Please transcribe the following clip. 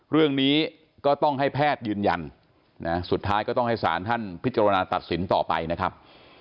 เรื่องนี้ก็ต้องให้แพทย์ยืนยันสุดท้ายก็ต้องให้สารท่านพิจารณาตัดสินต่อไปนะครับ